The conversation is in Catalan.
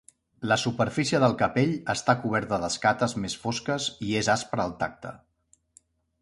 La superfície del capell està coberta d'escates més fosques i és aspra al tacte.